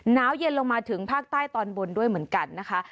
หนาวเย็นลงมาถึงภาคใต้ตอนบนด้วยเหมือนกันนะคะ